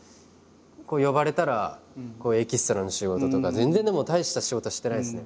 呼ばれたらエキストラの仕事とか。全然でも大した仕事はしてないですね。